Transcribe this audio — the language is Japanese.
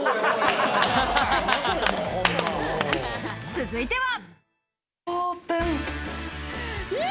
続いては。